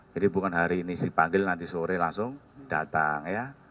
jadi bukan hari ini dipanggil nanti sore langsung datang ya